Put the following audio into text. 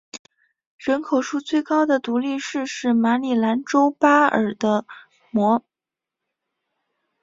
人口数最高的独立市是马里兰州巴尔的摩。